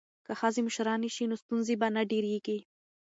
که ښځې مشرانې شي نو ستونزې به نه ډیریږي.